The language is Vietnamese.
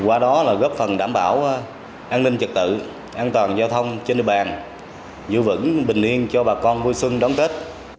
qua đó là góp phần đảm bảo an ninh trật tự an toàn giao thông trên địa bàn giữ vững bình yên cho bà con vui xuân đón tết